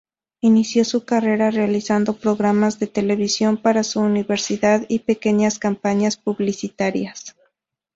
Inició su carrera realizando programas de televisión para su universidad y pequeñas campañas publicitarias.